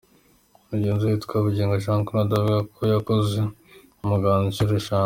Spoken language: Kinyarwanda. Mugenzi we witwa Byiringiro Jean Claude avuga ko we yakoze umuganda inshuro eshanu.